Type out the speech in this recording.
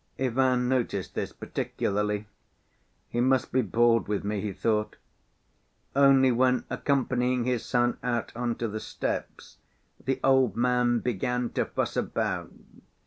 Ivan noticed this particularly. "He must be bored with me," he thought. Only when accompanying his son out on to the steps, the old man began to fuss about.